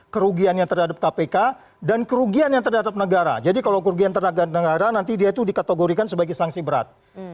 kerugiannya terhadap kpk dan kerugian yang terhadap negara jadi kalau kerugian terhadap negara nanti dia itu dikategorikan sebagai sanksi berat